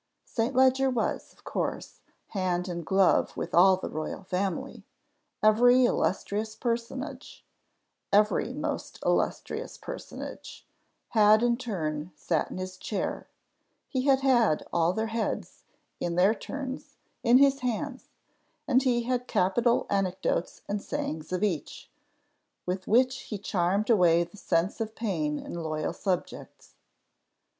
St, Leger was, of course, hand and glove with all the royal family; every illustrious personage every most illustrious personage had in turn sat in his chair; he had had all their heads, in their turns, in his hands, and he had capital anecdotes and sayings of each, with which he charmed away the sense of pain in loyal subjects.